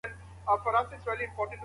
ترافیک بې قانونه نه وي.